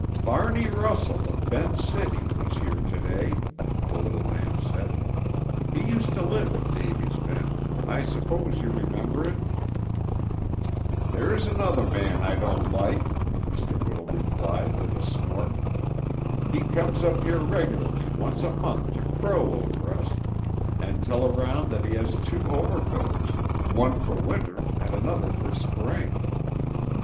"Barney Russell, of Ben's City, was here to day," the little man said. "He used to live in Davy's Bend; I suppose you remember him." "There's another feller I don't like," Mr. Whittle replied, with a snort. "He comes up here regularly once a month to crow over us, and tell around that he has two overcoats; one for winter, and another for spring.